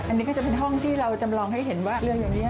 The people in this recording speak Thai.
อันนี้ก็จะเป็นห้องที่เราจำลองให้เห็นว่าเรืองอย่างนี้